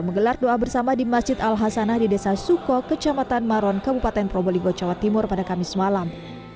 menggelar doa bersama di masjid al hasanah di desa suko kecamatan maron kabupaten probolinggo jawa timur pada kamis malam